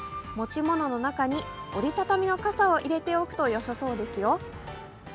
持ち物の中に折りたたみの傘を入れておくと良さそうですよ。